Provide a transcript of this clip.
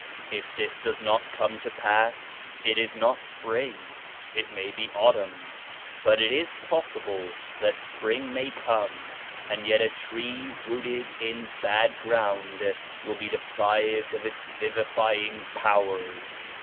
If this does not come to pass, it is not Spring; it may be autumn. But it is possible that Spring may come and yet a tree rooted in bad ground will be deprived of its vivifying powers.